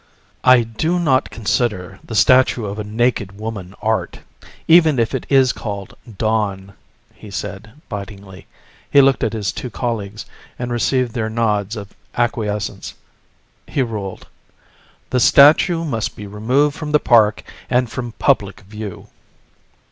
"I do not consider the statue of a naked woman art, even if it is called 'Dawn,'" he said bitingly. He looked at his two colleagues and received their nods of acquiescence. He ruled: "The statue must be removed from the park and from public view."